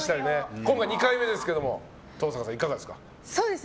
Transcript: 今回２回目ですが登坂さん、いかがですか。